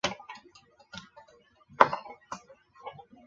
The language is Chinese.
柔毛马先蒿为列当科马先蒿属的植物。